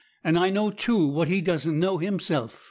And I know, too, what he doesn't know himself.